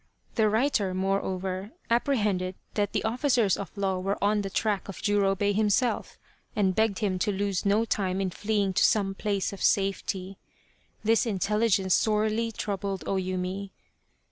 The writer, moreover, appre hended that the officers of law were on the track of Jurobei himself, and begged him to lose no time in fleeing to some place of safety. This intelligence sorely troubled O Yumi.